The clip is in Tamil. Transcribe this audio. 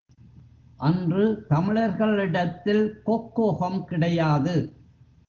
அன்று தமிழர்களிடத்தில் கொக்கோகம் கிடையாது.